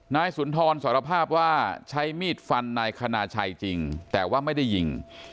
นายสุนทรสารภาพว่าใช้มีดฟันนายคณาชัยจริงแต่ว่าไม่ได้ยิง